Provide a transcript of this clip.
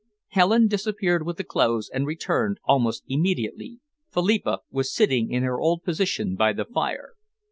Helen disappeared with the clothes and returned almost immediately, Philippa was sitting in her old position by the fire.